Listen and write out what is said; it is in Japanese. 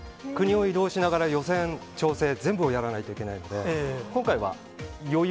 国を移動しながら、予選、調整全部をやらないといけないので。